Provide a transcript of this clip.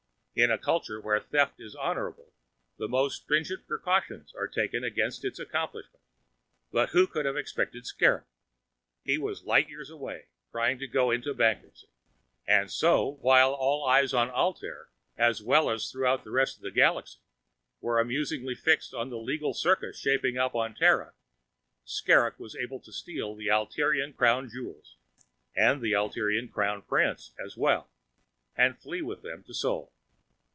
In a culture where theft is honorable, the most stringent precautions are taken against its accomplishment, but who could have expected Skrrgck? He was light years away, trying to go into bankruptcy. And so, while all eyes on Altair, as well as throughout the rest of the Galaxy, were amusedly fixed on the legal circus shaping up on Terra, Skrrgck was able to steal the Altairian Crown Jewels, and the Altairian Crown Prince as well, and flee with them to Sol.